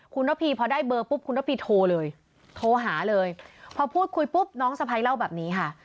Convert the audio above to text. คุณระพีพอได้เบอร์ปุ๊บคุณระพีโทรเลยโทรหาเลยพอพูดคุยปุ๊บน้องสะพ้ายเล่าแบบนี้ค่ะ